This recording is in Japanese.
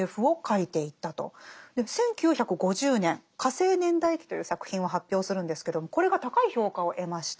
１９５０年「火星年代記」という作品を発表するんですけどもこれが高い評価を得ました。